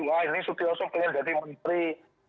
wah ini studioso punya jadi menteri